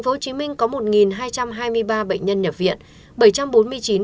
tp hcm có một hai trăm hai mươi ba bệnh nhân nhập viện